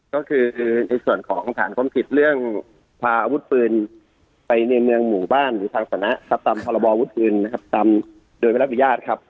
ก็คือในส่วนของฐานความผิดเรื่องพาอาวุธปืนไปในเมืองหมู่บ้านหรือทางสนะครับตามพรบอวุธปืนนะครับตามโดยไม่รับอนุญาตครับ